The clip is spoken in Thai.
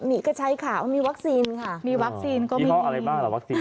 มีกระชายขาวมีวัคซีนค่ะมีวัคซีนก็มีอะไรบ้างล่ะวัคซีน